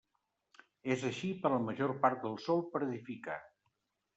És així per a la major part del sòl per edificar.